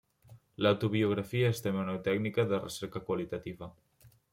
L'autobiografia és també una tècnica de recerca qualitativa.